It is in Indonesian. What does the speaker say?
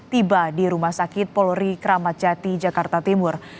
tiba di rumah sakit polri kramat jati jakarta timur